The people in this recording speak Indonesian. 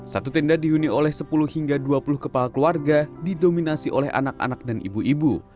satu tenda dihuni oleh sepuluh hingga dua puluh kepala keluarga didominasi oleh anak anak dan ibu ibu